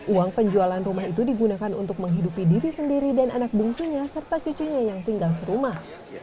uang penjualan rumah itu digunakan untuk menghidupi diri sendiri dan anak bungsunya serta cucunya yang tinggal serumah